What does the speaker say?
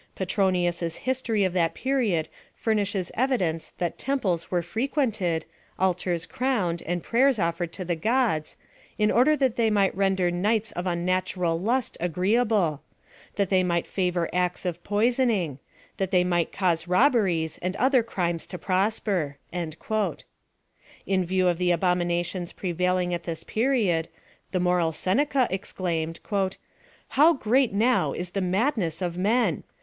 Petronius'a history of that period furnishes evidence that tem ples were frequented, altars crowned, and prayers offered to the gods, in order that they might render aights of unnatural lust agreeable ; that they might favor acts of poisoning ; that they might cause rob' beries and other crimes to prosper." In view of the abominations prevailing at this period, the moral Seneca exclaimed — ^^How great now is the mad ness of men